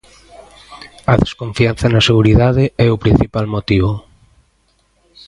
A desconfianza na seguridade é o principal motivo.